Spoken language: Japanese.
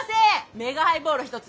メガハイボール１つ。